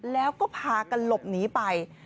แล้วก็พากันหลบหนีไป